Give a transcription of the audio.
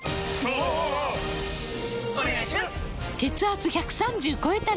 お願いします！！！